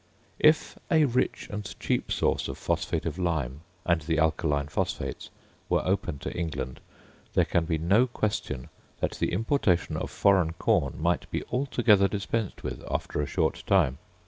If a rich and cheap source of phosphate of lime and the alkaline phosphates were open to England, there can be no question that the importation of foreign corn might be altogether dispensed with after a short time.